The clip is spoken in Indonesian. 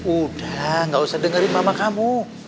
udah gak usah dengerin mama kamu